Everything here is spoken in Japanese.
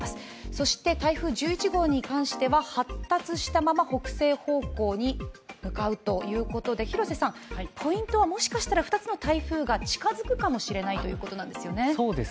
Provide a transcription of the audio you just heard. そして台風１１号に関しては、発達したまま北西方向に向かうということでポイントはもしかしたら２つの台風が近づくかもしれないということですよね？